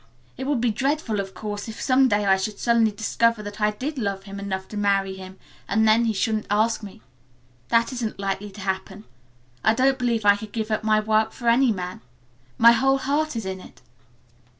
It would be dreadful, of course, if some day I should suddenly discover that I did love him enough to marry him and then he shouldn't ask me. That isn't likely to happen. I don't believe I could give up my work for any man. My whole heart is in it."